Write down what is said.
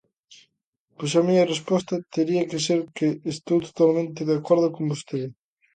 Pois a miña resposta tería que ser que estou totalmente de acordo con vostede.